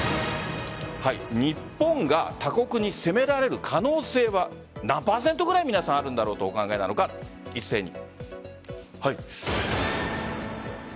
日本が他国に攻められる可能性は何％くらいあるんだろうとお考えなのか一斉に。